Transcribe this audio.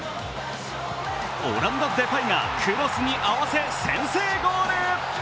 オランダ・デパイがクロスに合わせ先制ゴール。